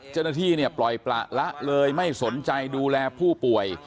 เจ้าหน้าที่เนี่ยปล่อยประละเลยไม่สนใจดูแลผู้ป่วย